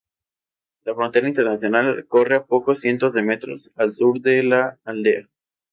La frontera internacional corre a pocos cientos de metros al sur de la aldea.